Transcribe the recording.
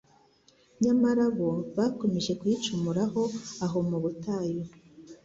Nyamara bo bakomeje kuyicumuraho aho mu butayu